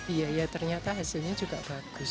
iya ya ternyata hasilnya juga bagus